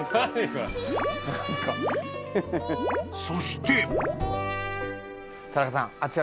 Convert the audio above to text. ［そして］田中さん。